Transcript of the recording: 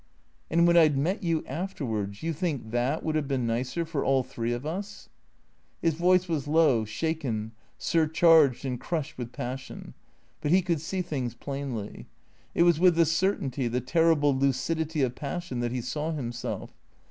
"And when I'd met you afterwards — you think that would have been nicer — for all three of us ?" His voice was low, shaken, surcharged and crushed with pas sion. But he could see things plainly. It was with the cer tainty, the terrible lucidity of passion that he saw himself.